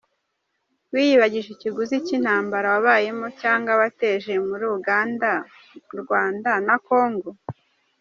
W’iyibagije ikiguzi ky’intambara wabayemo cyangwa wateje muri Uganda, Rwanda na Congo?